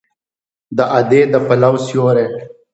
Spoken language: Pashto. د ادې د پلو سیوری